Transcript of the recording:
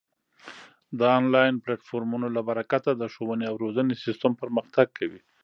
د آنلاین پلتفورمونو له برکته د ښوونې او روزنې سیستم پرمختګ کوي.